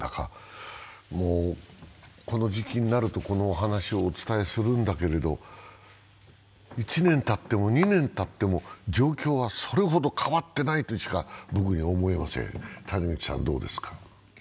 この時期になると、この話をお伝えするんだけれども、１年たっても２年たっても状況はそれほど変わってないとしか僕には思えません。